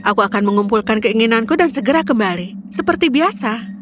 aku akan mengumpulkan keinginanku dan segera kembali seperti biasa